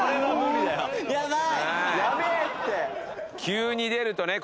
急に出るとね